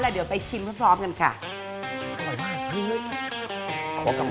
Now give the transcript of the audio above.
แล้วเดี๋ยวไปชิมให้พร้อมกันค่ะ